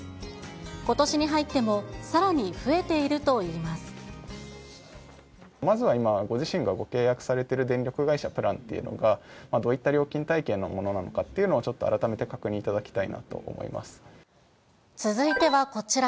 ことしに入っても、さらに増えてまずは今、ご自身がご契約されてる電力会社プランっていうのが、どういった料金体系のものなのかっていうのを、ちょっと改めて確続いてはこちら。